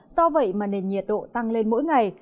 do vậy mà nền nhiệt độ tăng lên mỗi ngày